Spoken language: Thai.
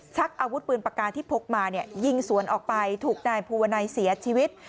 ชักอาวุธปืนปากกาที่พกมาเนี่ยยิงสวนออกไปถูกนายภูวนัยเสียชีวิต